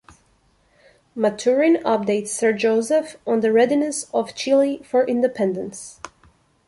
Maturin updates Sir Joseph on the readiness of Chile for independence.